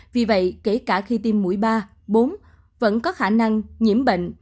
vì vậy kể cả khi tiêm mũi ba bốn vẫn có khả năng nhiễm bệnh